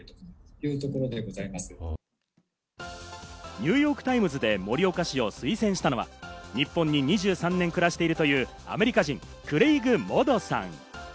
ニューヨーク・タイムズで盛岡市を推薦したのは日本に２３年暮らしているというアメリカ人、クレイグ・モドさん。